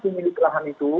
dimiliki lahan itu